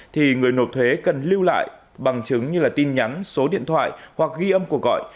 thì người nộp thuế cần lưu lại bằng chứng như tin nhắn số điện thoại hoặc ghi âm cuộc gọi